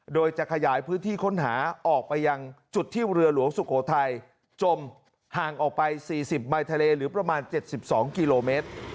โดยจะขยายพื้นที่ค้นหาออกไปยังจุดที่เรือหลวงสุโขทัยจมห่างออกไป๔๐ใบทะเลหรือประมาณ๗๒กิโลเมตร